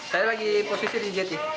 saya lagi posisi di jt